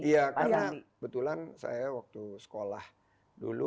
iya karena kebetulan saya waktu sekolah dulu